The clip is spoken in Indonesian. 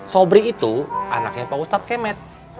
sobri itu anaknya pak ustadz kemet